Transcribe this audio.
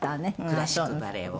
クラシックバレエを。